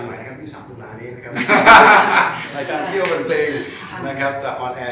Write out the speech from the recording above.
รายการเที่ยวกันเพลงจากฮอลแอร์